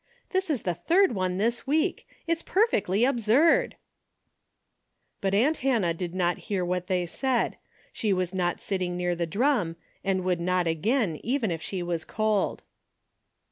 This is the third one this week. It's perfectly absurd !" But aunt Hannah did not hear what they said, she was not sitting near the drum, and would not again, even if she was cold.